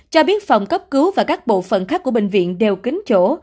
cho biết phòng cấp cứu và các bộ phận khác của bệnh viện đều kính chỗ